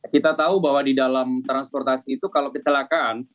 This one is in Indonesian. kita tahu bahwa di dalam transportasi itu kalau kecelakaan